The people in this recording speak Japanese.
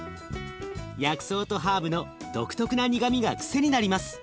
薬草とハーブの独特な苦みが癖になります。